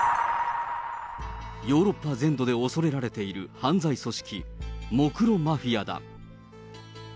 ヨーロッパ全土で恐れられている犯罪組織、モクロ・マフィアだ。